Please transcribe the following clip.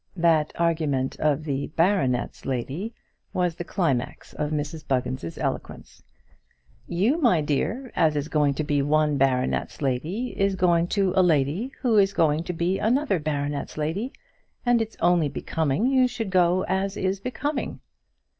That argument of the baronet's lady was the climax of Mrs Buggins' eloquence: "You, my dear, as is going to be one baronet's lady is going to a lady who is going to be another baronet's lady, and it's only becoming you should go as is becoming."